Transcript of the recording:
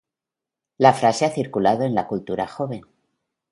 La frase ha circulado en la cultura joven.